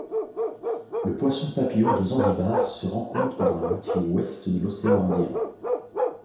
Le poisson-papillon de Zanzibar se rencontre dans la moitié ouest de l'océan Indien.